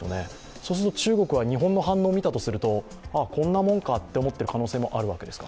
そうすると中国は日本の反応を見たとすると、こんなものかと思っている可能性もあるわけですか？